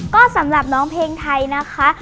ก็สำหรับน้องเพลงไทยนะคะ